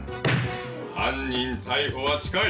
犯人逮捕は近い！